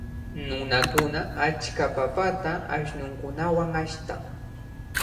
Nunakuna achka papata ashnukunawan ashtan.